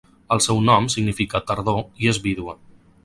El seu nom significa tardor, i és vídua.